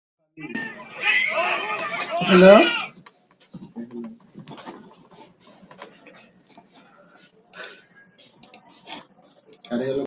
জাতিসংঘের তৎকালীন অধিবেশনে সভাপতি নরওয়ের প্রতিনিধি ছিলেন, তাঁর সঙ্গেও আমার সাক্ষাৎ হয়।